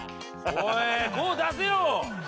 おい５出せよ！